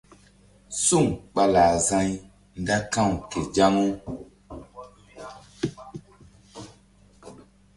Suŋ ɓa lah za̧y nda ka̧w ke zaŋu.